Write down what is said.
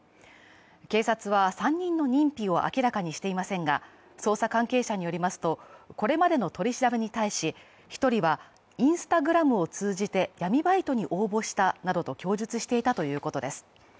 警察は３人の認否を明らかにしていませんが、捜査関係者によりますとこれまでの取り調べに対し１人は、Ｉｎｓｔａｇｒａｍを通じて闇バイトに応募したなどと供述していたということです。